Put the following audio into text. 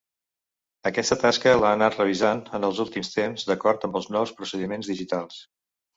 Aquesta tasca l'ha anat revisant en els últims temps d'acord amb els nous procediments digitals.